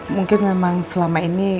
mungkin memang selama ini